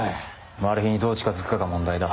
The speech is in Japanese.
マルヒにどう近づくかが問題だ。